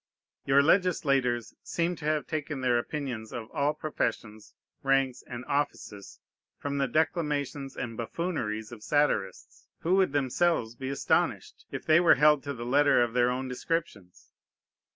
Your legislators seem to have taken their opinions of all professions, ranks, and offices from the declamations and buffooneries of satirists, who would themselves be astonished, if they were held to the letter of their own descriptions.